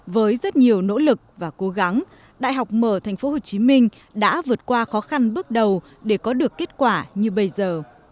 với rất nhiều nỗ lực và cố gắng đại học mở tp hcm đã vượt qua khó khăn bước đầu để có được kết quả như bây giờ